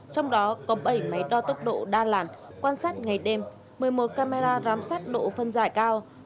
trong đó có bảy máy đo tốc độ đa làn quan sát ngày đêm một mươi một camera giám sát độ phân giải cao